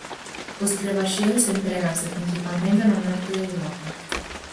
Os crebaxeos empréganse principalmente no norte de Europa.